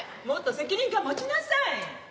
もっと責任感持ちなさい。